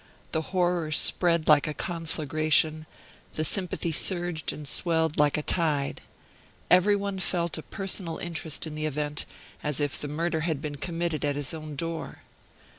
The horror spread like a conflagration, the sympathy surged and swelled like a tide. Everyone felt a personal interest in the event, as if the murder had been committed at his own door.